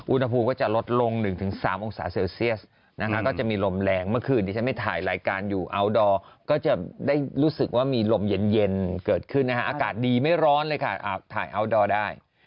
อุณหภูมิก็จะลดลง๑๓องศาเซลเซียสนะคะก็จะมีลมแรงเมื่อคืนที่ฉันไปถ่ายรายการอยู่อัลดอร์ก็จะได้รู้สึกว่ามีลมเย็นเกิดขึ้นนะฮะอากาศดีไม่ร้อนเลยค่ะถ่ายอัลดอร์ได้